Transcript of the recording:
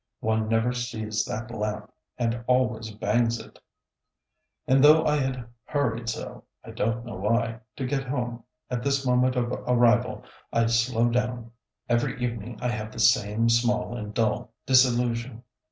One never sees that lamp, and always bangs it. And though I had hurried so I don't know why to get home, at this moment of arrival I slow down. Every evening I have the same small and dull disillusion.